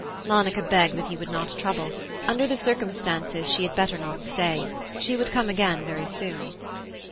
Monica begged that he would not trouble. Under the circumstances she had better not stay. She would come again very soon.